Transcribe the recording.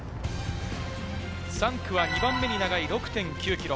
３区は２番目に長い６．９ｋｍ。